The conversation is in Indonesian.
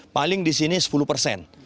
paling di sini sepuluh persen